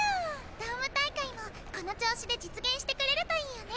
ドーム大会もこの調子で実現してくれるといいよね。